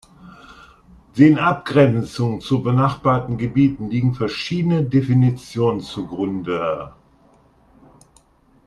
Den Abgrenzungen zu benachbarten Gebieten liegen verschiedene Definitionen zugrunde.